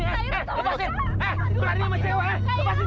eh berani sama cewek